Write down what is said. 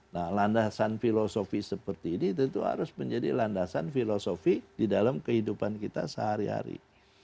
nah landasan filosofi seperti ini tentu harus menjadi landasan filosofi di dalam kehidupan kita sehari hari